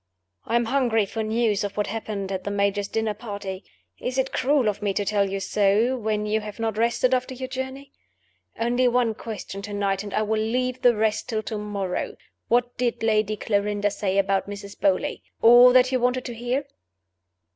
"I am hungry for news of what happened at the Major's dinner party. Is it cruel of me to tell you so, when you have not rested after your journey? Only one question to night, and I will leave the rest till to morrow. What did Lady Clarinda say about Mrs. Beauly? All that you wanted to hear?"